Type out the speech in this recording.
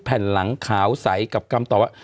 แผ่นหลังขาวใสกับคำตอบว่า